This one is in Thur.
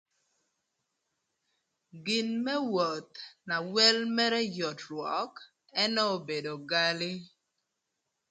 Gin më woth na wel mërë yot rwök ënë obedo gali